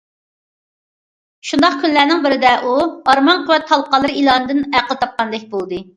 شۇنداق كۈنلەرنىڭ بىرىدە ئۇ‹‹ ئارمان قۇۋۋەت تالقانلىرى›› ئېلانىدىن ئەقىل تاپقاندەك بولدى.